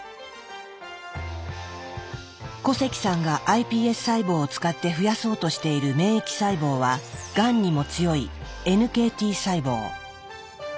古関さんがｉＰＳ細胞を使って増やそうとしている免疫細胞はがんにも強いＮＫＴ細胞。